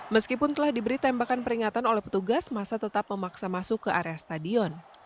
meskipun telah diberi tembakan peringatan oleh petugas masa tetap memaksa masuk ke area stadion